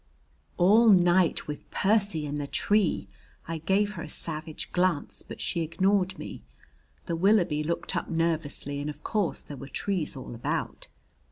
All night with Percy in the tree! I gave her a savage glance, but she ignored me. The Willoughby looked up nervously, and of course there were trees all about.